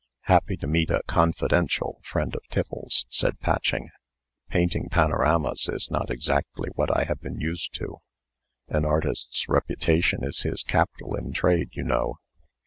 "Happy to meet a confidential friend of Tiffles's," said Patching. "Painting panoramas is not exactly what I have been used to. An artist's reputation is his capital in trade, you know."